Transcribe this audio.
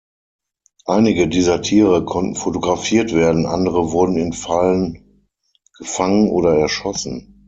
Einige dieser Tiere konnten fotografiert werden, andere wurden in Fallen gefangen oder erschossen.